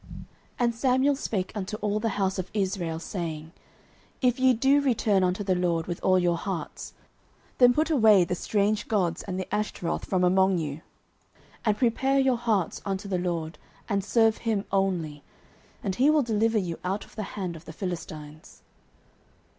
09:007:003 And Samuel spake unto all the house of Israel, saying, If ye do return unto the LORD with all your hearts, then put away the strange gods and Ashtaroth from among you, and prepare your hearts unto the LORD, and serve him only: and he will deliver you out of the hand of the Philistines.